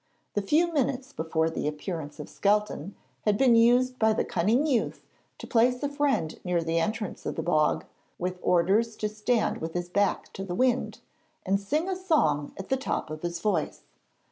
The few minutes before the appearance of Skelton had been used by the cunning youth to place a friend near the entrance of the bog, with orders to stand with his back to the wind and sing a song at the top of his voice.